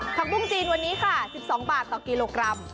ผักบุ้งจีนวันนี้ค่ะ๑๒บาทต่อกิโลกรัม